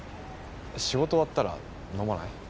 仕事終わったら飲まない？